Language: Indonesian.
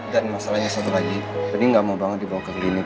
dan masalahnya satu lagi nini nggak mau banget dibawa ke klinik